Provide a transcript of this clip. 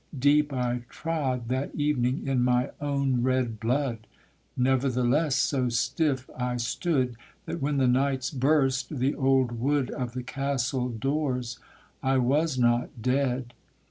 deep I trod That evening in my own red blood; Nevertheless so stiff I stood, That when the knights burst the old wood Of the castle doors, I was not dead.